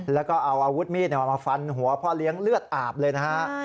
แล้วก็เอาอาวุธมีดมาฟันหัวพ่อเลี้ยงเลือดอาบเลยนะฮะ